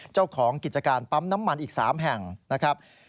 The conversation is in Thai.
เจ้าของกิจการปั๊มน้ำมันอีก๓แห่งนะครับ